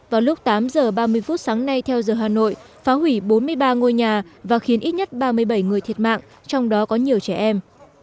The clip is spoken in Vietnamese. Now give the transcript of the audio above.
vào lúc tám h ba mươi phút sáng nay theo giờ hà nội phá hủy bốn mươi ba ngôi nhà và khiến ít nhất ba mươi bảy người thiệt mạng trong đó có nhiều trẻ em